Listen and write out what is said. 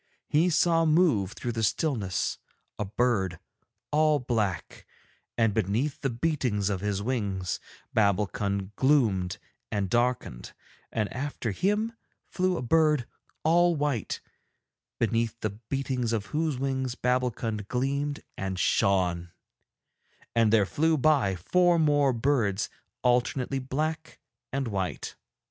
He saw move through the stillness a bird all black, and beneath the beatings of his wings Babbulkund gloomed and darkened; and after him flew a bird all white, beneath the beatings of whose wings Babbulkund gleamed and shone; and there flew by four more birds alternately black and white.